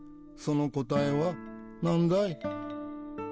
その答えは何だい？